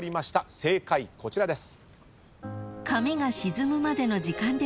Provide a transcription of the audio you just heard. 正解こちらです。